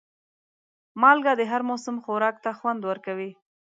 مالګه د هر موسم خوراک ته خوند ورکوي.